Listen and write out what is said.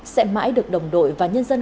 sẽ mãi được đồng đội và nhân dân